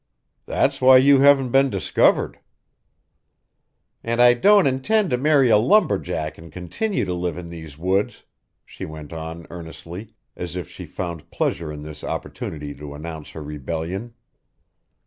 "That's why you haven't been discovered." "And I don't intend to marry a lumberjack and continue to live in these woods," she went on earnestly, as if she found pleasure in this opportunity to announce her rebellion.